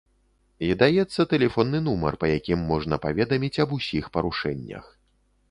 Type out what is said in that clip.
І даецца тэлефонны нумар, па якім можна паведаміць аб усіх парушэннях.